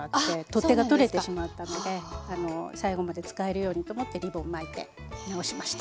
取っ手がとれてしまったので最後まで使えるようにと思ってリボンを巻いて直しました。